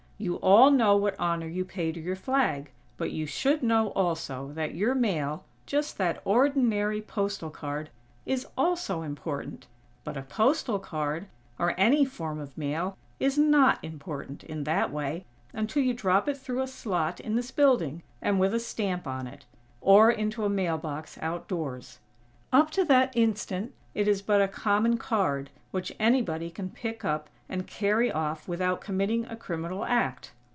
You all know what honor you pay to your flag, but you should know, also, that your mail, just that ordinary postal card is also important. But a postal card, or any form of mail, is not important, in that way, until you drop it through a slot in this building, and with a stamp on it, or into a mail box outdoors. Up to that instant it is but a common card, which anybody can pick up and carry off without committing a criminal act.